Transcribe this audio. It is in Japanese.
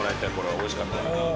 おいしかったから。